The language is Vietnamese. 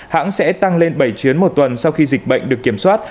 hãng sẽ tăng lên bảy chuyến một tuần sau khi dịch bệnh được kiểm soát